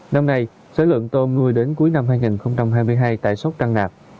năm nay số lượng tôm nuôi đến cuối năm hai nghìn hai mươi hai tại sốc trăng